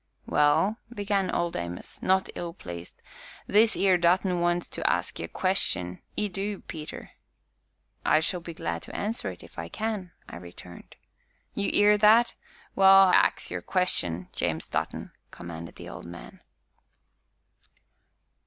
"Well," began Old Amos, not ill pleased, "this 'ere Dutton wants to ax 'ee a question, 'e du, Peter." "I shall be glad to answer it, if I can," I returned. "You 'ear that? well, ax your question, James Dutton," commanded the old man.